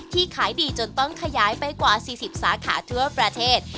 ขายดีจนต้องขยายไปกว่า๔๐สาขาทั่วประเทศ